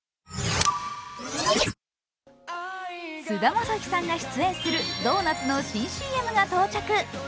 菅田将暉さんが出演するドーナツの新ＣＭが到着。